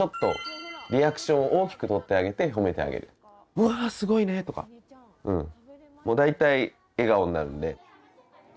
「うわすごいね！」とか大体笑顔になるんで。